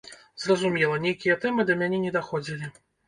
Зразумела, нейкія тэмы да мяне не даходзілі.